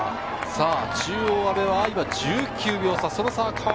中央の阿部は１９秒差。